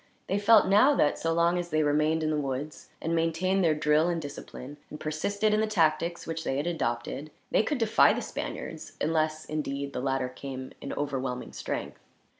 They felt now that, so long as they remained in the woods, and maintained their drill and discipline, and persisted in the tactics which they had adopted, they could defy the Spaniards; unless, indeed, the latter came in overwhelming strength.